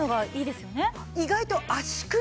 意外と足首。